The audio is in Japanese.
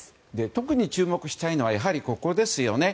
特に注目したいのがやはりここですね。